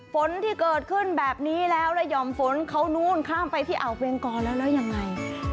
ฝนที่เกิดขึ้นแบบนี้แล้วแล้วห่อมฝนเขานู้นข้ามไปที่อ่าวเวงกรแล้วแล้วยังไง